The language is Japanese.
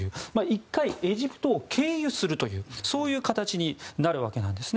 １回、エジプトを経由するというそういう形になるわけなんです。